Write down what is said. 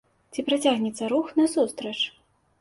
Ці працягнецца рух насустрач?